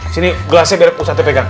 sini gelasnya dari ustazah pegang